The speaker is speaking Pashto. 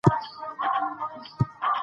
تاسي باید په خپلو خبرو کې محتاط اوسئ.